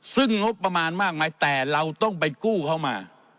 ซึ่งงบประมาณมากมายแต่เราต้องไปกู้เข้ามา